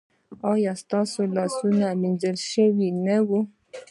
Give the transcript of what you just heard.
ایا ستاسو لاسونه به مینځل شوي نه وي؟